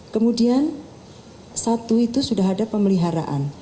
kemudian satu itu sudah ada pemeliharaan